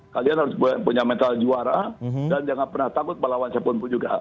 kalian harus punya mental juara dan jangan pernah takut melawan siapapun juga